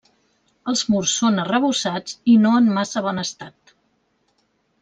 Els murs són arrebossats i no en massa bon estat.